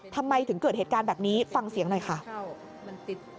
ทำไมถึงเกิดเหตุการณ์แบบนี้ฟังเสียงหน่อยค่ะ